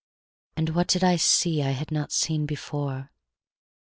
And what did I see I had not seen before?